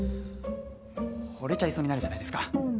惚れちゃいそうになるじゃないですか。